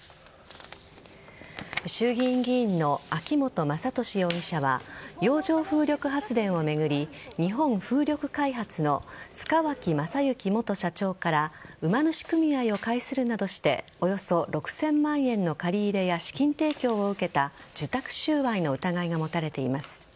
衆議院議員の秋本真利容疑者は洋上風力発電を巡り日本風力開発の塚脇正幸元社長から馬主組合を介するなどしておよそ６０００万円の借り入れや資金提供を受けた受託収賄の疑いが持たれています。